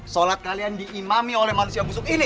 sholat kalian diimami oleh manusia busuk ini